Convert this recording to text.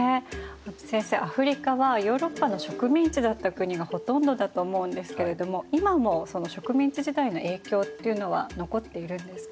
先生アフリカはヨーロッパの植民地だった国がほとんどだと思うんですけれども今もその植民地時代の影響っていうのは残っているんですか？